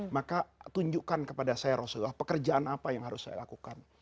maka tunjukkan kepada saya rasulullah pekerjaan apa yang harus saya lakukan